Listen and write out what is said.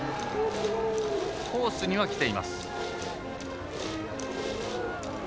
コースにはきています。